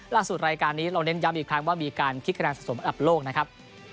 รายการนี้เราเน้นย้ำอีกครั้งว่ามีการคิดคะแนนสะสมอันดับโลกนะครับ